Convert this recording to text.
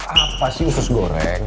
apa sih usus goreng